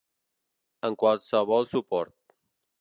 En qualsevol suport.